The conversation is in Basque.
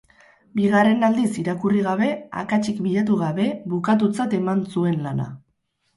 Bigarren aldiz irakurri gabe, akatsik bilatu gabe, bukatutzat eman zuen lana.